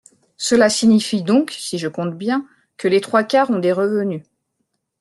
Cela signifie donc, si je compte bien, que les trois quarts ont des revenus.